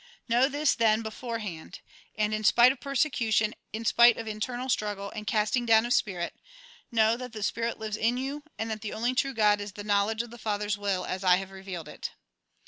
Know this, then, before hand ; and in spite of persecution, in spite of internal struggle and casting down of spirit, know that the spirit lives in you, and that the only true God is the knowledge of the Father's will, as I have re vealed it."